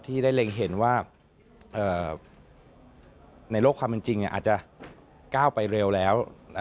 ที่ได้เล็งเห็นว่าในโลกความเป็นจริงอาจจะก้าวไปเร็วแล้ว